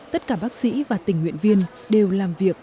tất cả bác sĩ và tình nguyện viên đều làm việc